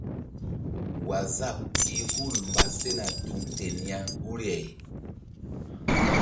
Waazap i hul mba sena tuŋ ten ya guri-ah.